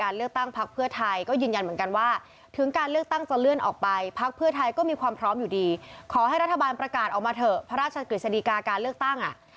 เราทำงานการเมืองโดยสภาพความเป็นจริง